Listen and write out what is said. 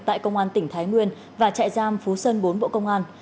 tại công an tỉnh thái nguyên và trại giam phú sơn bốn bộ công an